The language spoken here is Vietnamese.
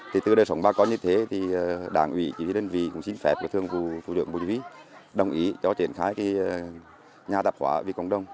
từ đời sống bà con như thế thì đảng ủy chính viên đơn vị cũng xin phép thương vụ thủ đường bùi vĩ đồng ý cho triển khai nhà tạp hóa vì cộng đồng